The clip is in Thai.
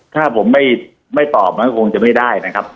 ถ้าผมไม่ตอบมันก็คงจะไม่ได้นะครับ